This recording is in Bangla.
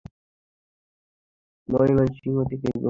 ময়মনসিংহ থেকে গফরগাঁও পর্যন্ত সড়কটির পাশ দিয়ে বয়ে গেছে ব্রহ্মপুত্র নদ।